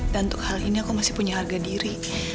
dan untuk hal ini aku masih punya harga diri